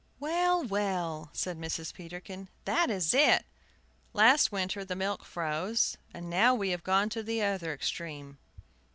"Well, well!" said Mrs. Peterkin, "that is it! Last winter the milk froze, and now we have gone to the other extreme!